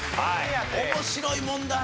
面白い問題。